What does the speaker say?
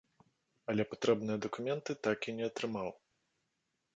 Але патрэбныя дакументы так і не атрымаў.